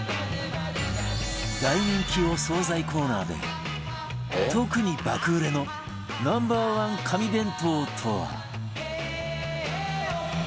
大人気お惣菜コーナーで特に爆売れの Ｎｏ．１ 神弁当とは！？